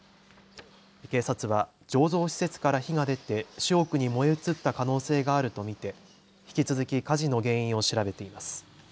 警察は醸造施設から火が出て主屋に燃え移った可能性があると見て引き続き火事の原因を調べています。